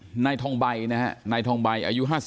ตอนนั้นเขาก็เลยรีบวิ่งออกมาดูตอนนั้นเขาก็เลยรีบวิ่งออกมาดู